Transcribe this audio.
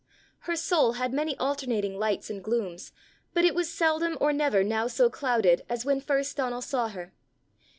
Her soul had many alternating lights and glooms, but it was seldom or never now so clouded as when first Donal saw her.